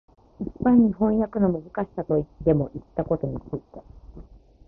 一般に飜訳のむずかしさとでもいったことについて、